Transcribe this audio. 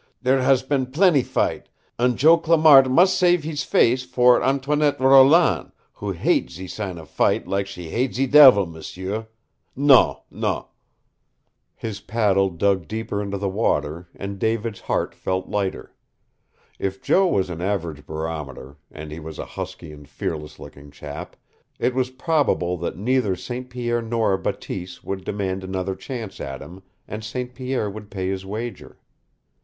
"Dere has been plenty fight, an' Joe Clamart mus' save hees face tor Antoinette Roland, who hate ze sign of fight lak she hate ze devil, m'sieu! Non, non!" His paddle dug deeper into the water, and David's heart felt lighter. If Joe was an average barometer, and he was a husky and fearless looking chap, it was probable that neither St. Pierre nor Bateese would demand another chance at him, and St. Pierre would pay his wager.